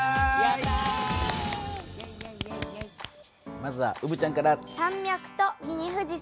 まずはうぶちゃんから。